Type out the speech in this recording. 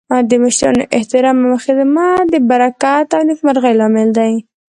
د مشرانو احترام او خدمت د برکت او نیکمرغۍ لامل دی.